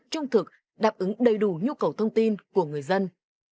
trung thực đáp ứng đầy đủ nhu cầu thông tin của người dân